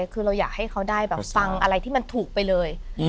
คือเราอยากให้เขาได้แบบฟังอะไรที่มันถูกไปเลย